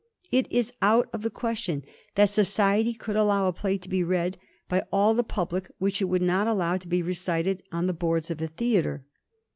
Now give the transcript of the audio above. It is out of the question that society could allow a play to be read by all the public which it would not allow to be recited on the boards of a theatre.